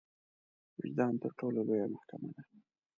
وجدان تر ټولو لويه محکمه ده.